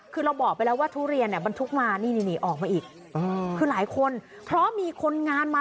คือนอกจากทุเรียนเต็มคันรถน่ะน่ะ